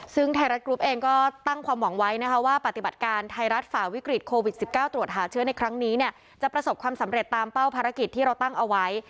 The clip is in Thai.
ซึ่งไทยรัฐกรุ๊ปเองก็ตั้งความหวังไว้นะคะว่าปฏิบัติการไทยรัฐฝ่าวิกฤตโควิด๑๙ตรวจหาเชื้อในครั้งนี้เนี่ยจะประสบความสำเร็จตามเป้าภารกิจที่เราตั้งเอาไว้